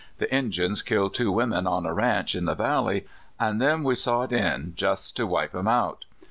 The Injuns killed two w^omen on a ranch in the valley, an' then we sot in just to wipe 'em out.